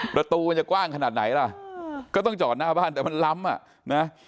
ประตูมันจะกว้างขนาดไหนล่ะก็ต้องจอดหน้าบ้านแต่มันล้ำอ่ะนะ